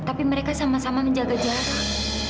tapi mereka sama sama menjaga jarak